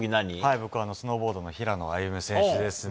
僕はスノーボードの平野歩夢選手です。